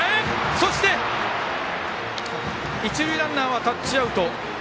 そして、一塁ランナーはタッチアウト。